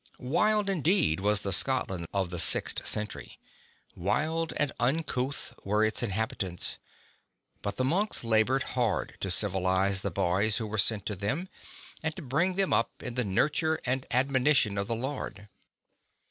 Wild indeed was the Scotland of the sixth century, wild and uncouth were its inhabitants; but the monks laboured hard to civilize the boys who were sent to them, and to bring them up in the nurture and admonition of the Lord.